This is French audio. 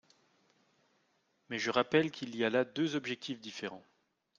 Mais je rappelle qu’il y a là deux objectifs différents.